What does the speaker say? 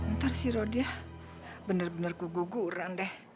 ntar si rodia bener bener gugur guran deh